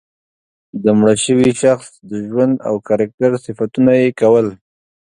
د مړه شوي شخص د ژوند او کرکټر صفتونه یې کول.